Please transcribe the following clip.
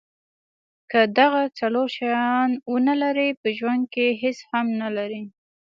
که دغه څلور شیان ونلرئ په ژوند کې هیڅ هم نلرئ.